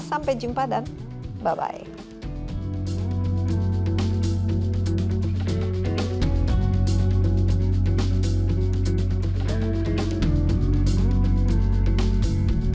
sampai jumpa dan bye